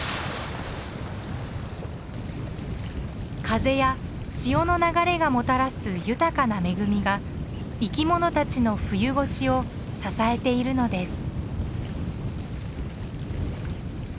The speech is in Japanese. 風や潮の流れがもたらす豊かな恵みが生きものたちの冬越しを支えているのです。